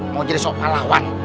mau jadi soal lawan